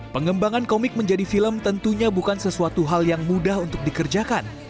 pengembangan komik menjadi film tentunya bukan sesuatu hal yang mudah untuk dikerjakan